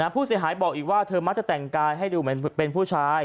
ผู้เสียหายบอกอีกว่าเธอมักจะแต่งกายให้ดูเหมือนเป็นผู้ชาย